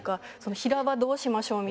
「平場どうしましょう？」。